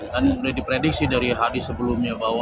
kan udah diprediksi dari hadis sebelumnya bahwa